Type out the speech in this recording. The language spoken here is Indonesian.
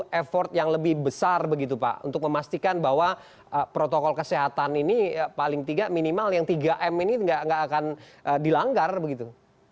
ada effort yang lebih besar begitu pak untuk memastikan bahwa protokol kesehatan ini paling tidak minimal yang tiga m ini tidak akan dilanggar begitu